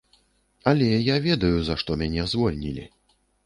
Але я ведаю, за што мяне звольнілі.